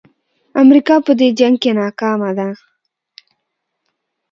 امریکا په دې جنګ کې ناکامه ده.